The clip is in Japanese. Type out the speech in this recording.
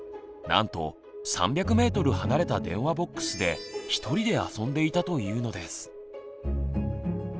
なんと３００メートル離れた電話ボックスでひとりで遊んでいたというのです。